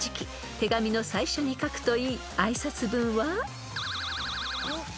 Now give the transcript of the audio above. ［手紙の最初に書くといい挨拶文は？］